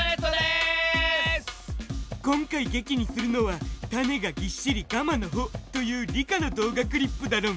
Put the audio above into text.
今回劇にするのは「種がぎっしりガマの穂」という理科の動画クリップだろん！